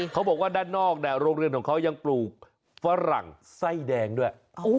เขาบอกว่าด้านนอกโรงเรียนของเขายังปลูกฝรั่งไส้แดงด้วย